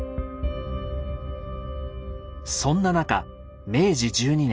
そんな中明治１２年。